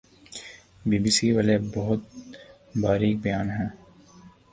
be B C والے بھی بہت باریک بین ہیں